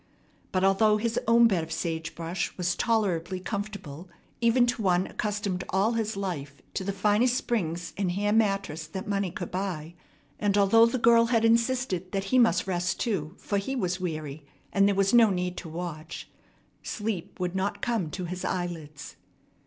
But, although his own bed of sage brush was tolerably comfortable, even to one accustomed all his life to the finest springs and hair mattress that money could buy, and although the girl had insisted that he must rest too, for he was weary and there was no need to watch, sleep would not come to his eyelids.